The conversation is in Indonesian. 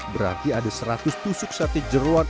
berarti ada seratus tusuk sate jeruan